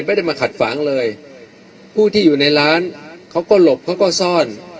ไม่ได้มาขัดฝางเลยผู้ที่อยู่ในร้านเขาก็หลบเขาก็ซ่อน